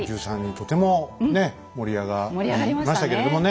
とてもねっ盛り上がりましたけれどもね。